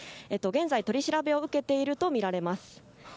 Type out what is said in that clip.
現在取り調べを受けているとみられます。